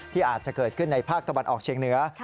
อาจจะเกิดขึ้นในภาคตะวันออกเชียงเหนือ